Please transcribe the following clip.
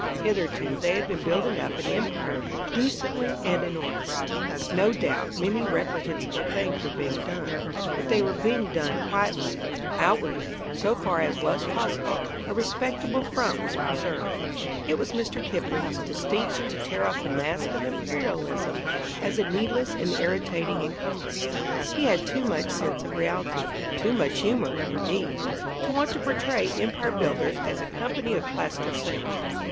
Hitherto they had been building up an Empire decently and in order; no doubt, many reprehensible things were being done, but they were being done quietly: outwardly, so far as was possible, a respectable front was preserved. It was Mr. Kipling's distinction to tear off the mask of Imperialism as a needless and irritating encumbrance; he had too much sense of reality too much humour, indeed to want to portray Empire builders as a company of plaster saints.